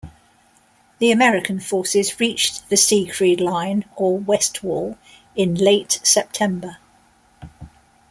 The American forces reached the "Siegfried Line" or "Westwall" in late September.